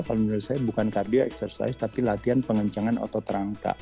kalau menurut saya bukan kardio exercise tapi latihan pengencangan otot rangka